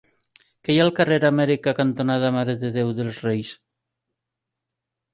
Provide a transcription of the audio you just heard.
Què hi ha al carrer Amèrica cantonada Mare de Déu dels Reis?